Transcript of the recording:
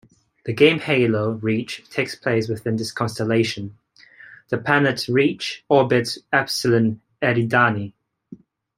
The game Halo: Reach takes place within this constellation-the planet Reach orbits Epsilon Eridani.